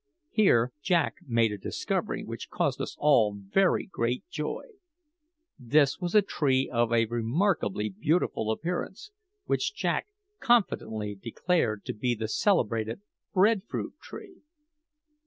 Here Jack made a discovery which caused us all very great joy. This was a tree of a remarkably beautiful appearance, which Jack confidently declared to be the celebrated bread fruit tree.